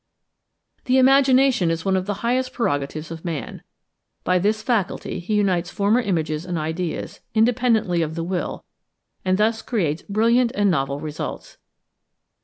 The IMAGINATION is one of the highest prerogatives of man. By this faculty he unites former images and ideas, independently of the will, and thus creates brilliant and novel results.